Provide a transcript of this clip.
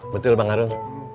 betul bang arun